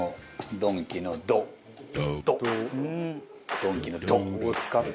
ドンキの「ド」を使って。